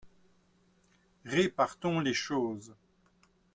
Répartons les choses.